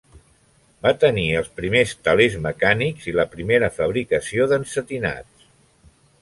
Va tenir els primers telers mecànics i la primera fabricació d'ensetinats.